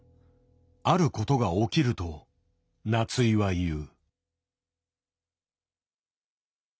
あることが起きると夏井は言う。